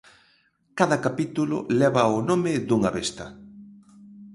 Cada capítulo leva o nome dunha besta.